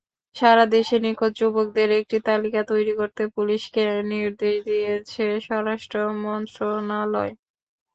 সারা দেশে নিখোঁজ যুবকদের একটি তালিকা তৈরি করতে পুলিশকে নির্দেশ দিয়েছে স্বরাষ্ট্র মন্ত্রণালয়।